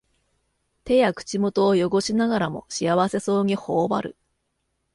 手や口元をよごしながらも幸せそうにほおばる